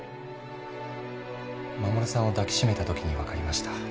衛さんを抱き締めたときに分かりました。